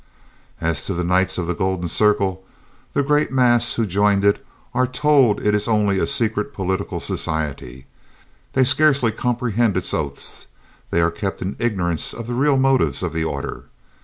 "As to the Knights of the Golden Circle, the great mass who join it are told it is only a secret political society. They scarcely comprehend its oaths; they are kept in ignorance of the real motives of the order.